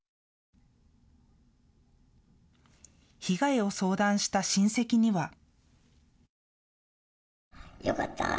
被害を相談した親戚には。